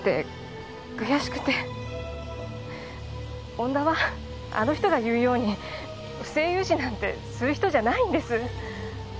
恩田はあの人が言うように不正融資なんてする人じゃないんです。